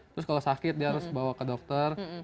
terus kalau sakit dia harus bawa ke dokter